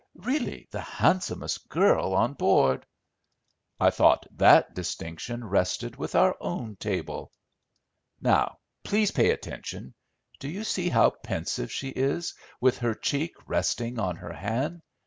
Really the handsomest girl on board." "I thought that distinction rested with our own table." "Now, please pay attention. Do you see how pensive she is, with her cheek resting on her hand?